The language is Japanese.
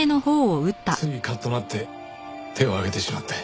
ついカッとなって手を上げてしまって。